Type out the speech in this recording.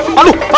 aduh aduh aduh